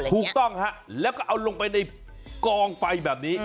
ถูกต้องฮะแล้วก็เอาลงไปในกองไฟแบบนี้